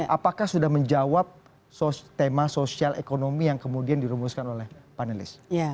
apakah sudah menjawab tema sosial ekonomi yang kemudian dirumuskan oleh panelis